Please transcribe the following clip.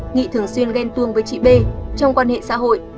nghị thường xuyên ghen tuông với chị b trong quan hệ xã hội